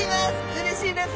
うれしいです。